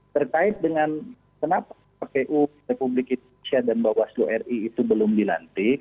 terkait dengan kenapa kpu republik indonesia dan bawaslu ri itu belum dilantik